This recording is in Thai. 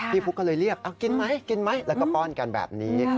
พี่ฟลุ๊กก็เลยเรียบเอ้ากินไหมแล้วก็ป้อนกันแบบนี้